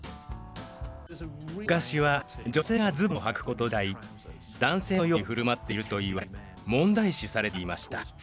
昔は女性がズボンをはくこと自体男性のように振る舞っているといわれ問題視されていました。